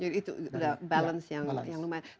jadi itu udah balance yang lumayan